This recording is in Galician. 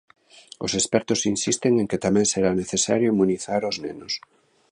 Os expertos insisten en que tamén será necesario inmunizar os nenos.